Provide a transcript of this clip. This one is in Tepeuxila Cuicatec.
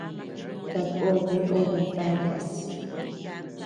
Sako bea obe dayas.